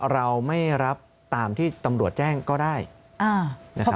เราไม่รับตามที่ตำรวจแจ้งก็ได้